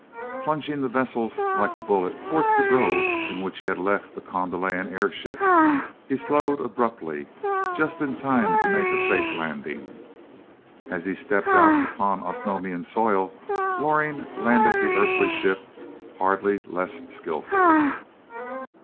Plunging the vessel like a bullet towards the grove in which he had left the Kondalian airship, he slowed abruptly just in time to make a safe landing. As he stepped out upon Osnomian soil, Loring landed the Earthly ship hardly less skillfully.